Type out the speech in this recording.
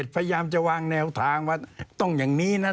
พยายามจะวางแนวทางว่าต้องอย่างนี้นะ